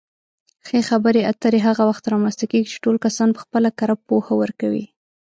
ښې خبرې اترې هغه وخت رامنځته کېږي چې ټول کسان پخپله کره پوهه ورکوي.